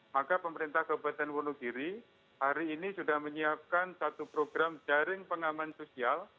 maka pemerintah kabupaten wonogiri hari ini sudah menyiapkan satu program jaring pengaman sosial